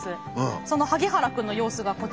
その萩原くんの様子がこちら。